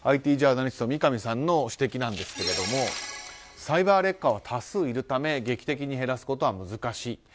ＩＴジャーナリストの三上さんの指摘なんですがサイバーレッカーは多数いるため劇的に減らすことは難しい。